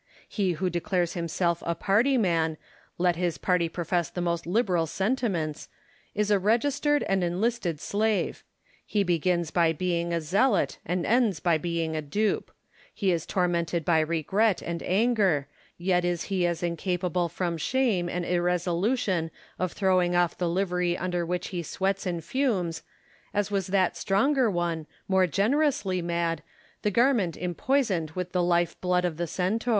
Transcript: He who declares himself a party man, let his party profess the most liberal sentiments, is a registered and enlisted slave ; he begins by being a zealot and ends by being a dupe ; he is tormented by regret and anger, yet is he as incapable from shame and irresolution of throwing off the livery under which he sweats and fumes, as was that stronger one, more generously mad, the garment empoisoned with the life blood of the Centaur.